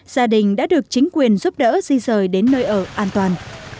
gia đình đã được chính quyền giúp đỡ di rời đến nơi ở an toàn